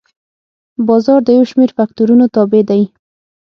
بازار د یو شمېر فکتورونو تابع دی.